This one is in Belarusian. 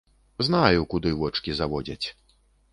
Знаю, куды вочкі заводзяць.